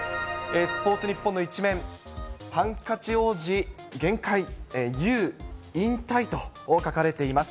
スポーツニッポンの１面、ハンカチ王子限界、佑引退と書かれています。